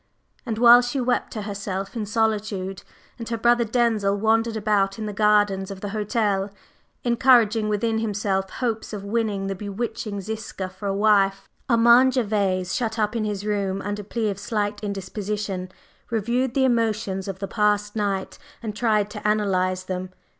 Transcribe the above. And while she wept to herself in solitude, and her brother Denzil wandered about in the gardens of the hotel, encouraging within himself hopes of winning the bewitching Ziska for a wife, Armand Gervase, shut up in his room under plea of slight indisposition, reviewed the emotions of the past night and tried to analyze them.